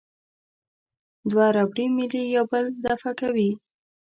دوه ربړي میلې یو بل دفع کوي.